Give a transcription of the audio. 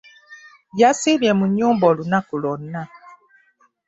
Yasiibye mu nnyumba olunaku lwonna.